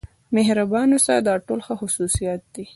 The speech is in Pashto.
مهربان اوسه دا ټول ښه خصوصیات دي.